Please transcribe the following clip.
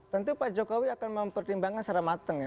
tentu pak jokowi akan mempertimbangkan secara matang ya